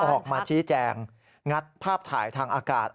ออกมาชี้แจงงัดภาพถ่ายทางอากาศ